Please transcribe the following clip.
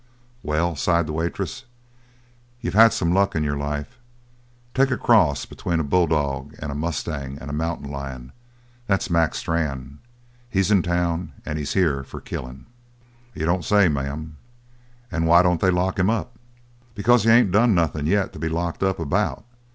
"Well," sighed the waitress, "you've had some luck in your life. Take a cross between a bulldog and a mustang and a mountain lion that's Mac Strann. He's in town, and he's here for killin'." "You don't say, ma'am. And why don't they lock him up?" "Because he ain't done nothin' yet to be locked up about.